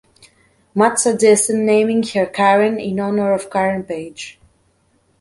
Matt suggested naming her Karen in honor of Karen Page.